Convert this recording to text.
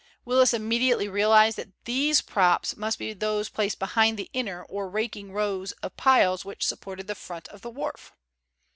Willis immediately realized that these props must be those placed behind the inner or raking row of piles which supported the front of the wharf.